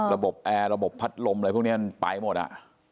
ระบบแอร์ระบบพัดลมอะไรพวกนี้มันไปหมดอ่ะ